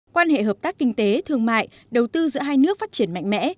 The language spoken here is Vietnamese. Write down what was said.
quan hệ hợp tác kinh tế thương mại đầu tư giữa hai nước phát triển mạnh mẽ